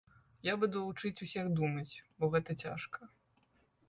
Я буду вучыць усіх думаць, бо гэта цяжка.